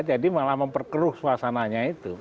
malah memperkeruh suasananya itu